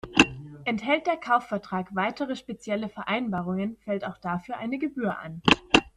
Enthält der Kaufvertrag weitere spezielle Vereinbarungen, fällt auch dafür eine Gebühr an.